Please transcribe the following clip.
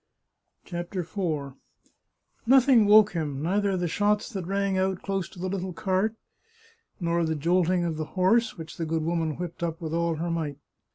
CHAPTER IV Nothing woke him, neither the shots that rang out dose to the httle cart, nor the jolting of the horse, which the good woman whipped up with all her might.